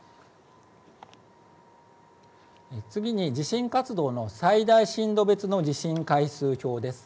次に地震活動の最大震度別の地震回数表です。